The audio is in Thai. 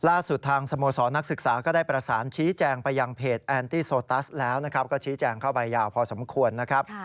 ล่าสุดทางสโมสรนักศึกษาก็ได้ประสานชี้แจงไปยังเพจแอนตี้โซตัสแล้วนะครับก็ชี้แจงเข้าไปยาวพอสมควรนะครับ